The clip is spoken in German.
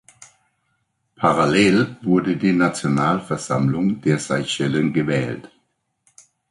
Parallel wurde die Nationalversammlung der Seychellen gewählt.